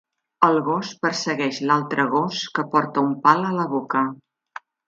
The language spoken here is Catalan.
El gos persegueix l'altre gos que porta un pal a la boca.